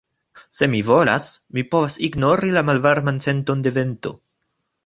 Se mi volas, mi povas ignori la malvarman senton de vento.